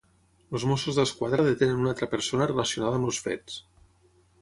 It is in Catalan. Els Mossos d'Esquadra detenen una altra persona relacionada amb els fets.